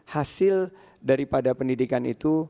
hasil daripada pendidikan itu